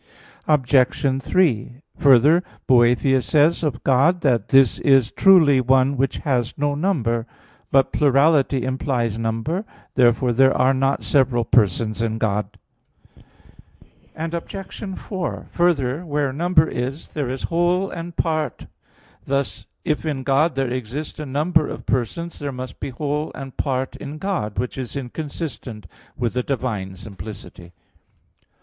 Obj. 3: Further, Boethius says of God (De Trin. i), that "this is truly one which has no number." But plurality implies number. Therefore there are not several persons in God. Obj. 4: Further, where number is, there is whole and part. Thus, if in God there exist a number of persons, there must be whole and part in God; which is inconsistent with the divine simplicity.